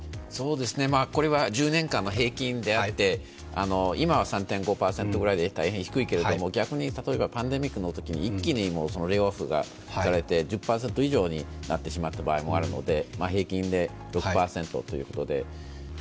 これは１０年間の平均であって今は３．５％ぐらいで大変低いけれども、逆に例えばパンデミックのときに一気にレイオフが働いて１０％以上になってしまったことがあるので、平均で６％ということで。